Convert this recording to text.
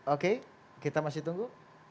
oke kita masih tunggu